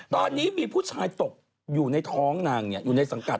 ตอนนี้มีผู้ชายตกอยู่ในท้องนางอยู่ในสังกัด